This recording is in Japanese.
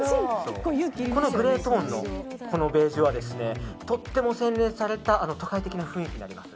このグレートーンのベージュはとっても洗礼された都会的な雰囲気になります。